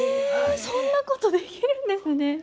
そんなことできるんですね。